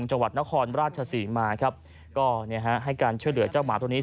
จังหวัดนครราชศรีมาครับก็เนี่ยฮะให้การช่วยเหลือเจ้าหมาตัวนี้